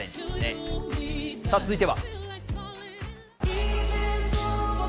続いては。